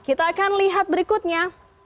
kita akan lihat berikutnya